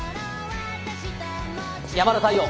山田太陽